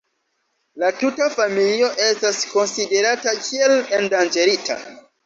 La tuta familio estas konsiderata kiel endanĝerita.